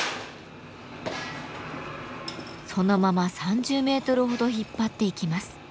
そのまま３０メートルほど引っ張っていきます。